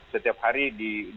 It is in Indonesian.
setiap hari di beberapa hari ini